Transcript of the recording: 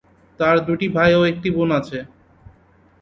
তার দুটি ভাই ও একটি বোন আছে।